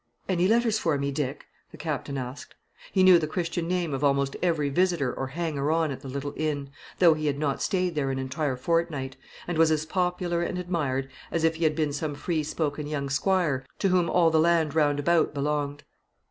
"Any letters for me, Dick?" the Captain asked. He knew the Christian name of almost every visitor or hanger on at the little inn, though he had not stayed there an entire fortnight, and was as popular and admired as if he had been some free spoken young squire to whom all the land round about belonged.